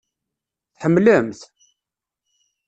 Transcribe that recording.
Tḥemmlem-t?